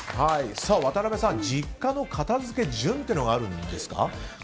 渡部さん実家の片付け順があるんですか。